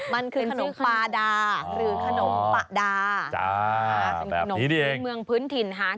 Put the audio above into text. มันคือขนมปลาดาหรือขนมปะดาอ๋อจ้าแบบนี้ได้เองมืองพื้นถิ่นฮะ